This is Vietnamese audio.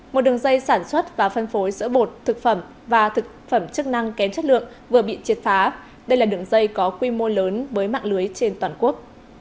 một đường dây sản xuất và phân phối sữa bột thực phẩm và thực phẩm chức năng kém chất lượng vừa bị triệt phá đây là đường dây có quy mô lớn với mạng lưới trên toàn quốc